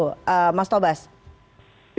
bagaimana menurut prof azra